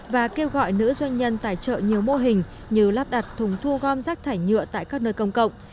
và kêu gọi nữ doanh nhân tài trợ nhiều mô hình như lắp đặt thùng thu gom rác thải nhựa tại các nơi công cộng